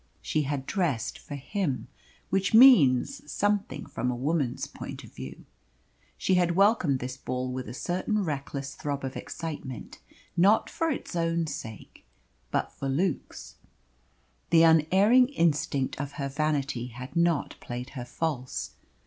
She had dressed for him which means something from a woman's point of view. She had welcomed this ball with a certain reckless throb of excitement, not for its own sake, but for Luke's. The unerring instinct of her vanity had not played her false.